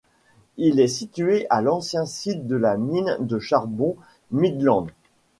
Il est situé à l'ancien site de la mine de charbon Midland.